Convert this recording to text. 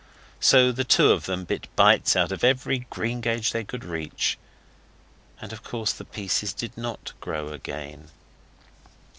So the two of them bit bites out of every greengage they could reach. And of course the pieces did not grow again.